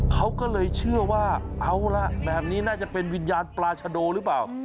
เขาก็เลยเชื่อว่าเอาล่ะแบบนี้น่าจะเป็นวิญญาณปราชโดหรือเปล่า